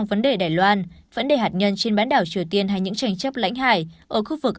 vấn đề đài loan vấn đề hạt nhân trên bán đảo triều tiên hay những tranh chấp lãnh hải ở khu vực